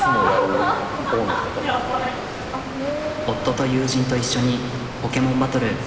夫と友人と一緒にポケモンバトル。